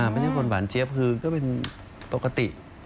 ไม่ใช่คนหวานเจี๊ยบคือก็เป็นปกติ